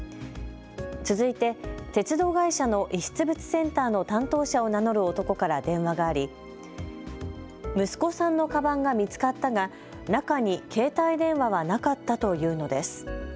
続いて鉄道会社の遺失物センターの担当者を名乗る男から電話があり、息子さんのかばんが見つかったが、中に携帯電話はなかったと言うのです。